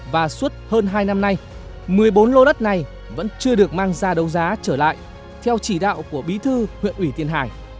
và suốt hơn hai năm nay một mươi bốn lô đất này vẫn chưa được mang ra đấu giá trở lại theo chỉ đạo của bí thư huyện ủy tiền hải